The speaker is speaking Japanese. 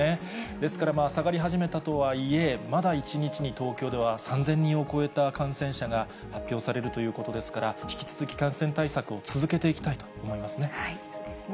ですから、下がり始めたとはいえ、まだ１日に東京では３０００人を超えた感染者が発表されるということですから、引き続き、感染対策を続けていきたいと思いますね。